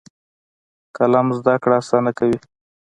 قلم زده کړه اسانه کوي.